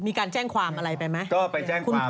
ก็มีการแจ้งความอะไรไปมั้ยก็ไปแจ้งความ